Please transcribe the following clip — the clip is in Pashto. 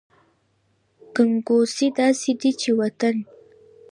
ګنګوسې داسې دي چې وطن …